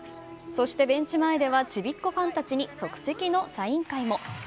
そしてベンチ前では、ちびっこファンたちに即席のサイン会も。